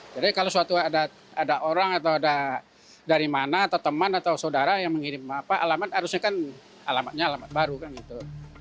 jadi kalau suatu ada orang atau ada dari mana atau teman atau saudara yang mengirim alamat harusnya kan alamatnya alamat baru kan gitu